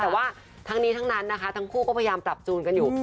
แต่ว่าทั้งนี้ทั้งนั้นนะคะทั้งคู่ก็พยายามปรับจูนกันอยู่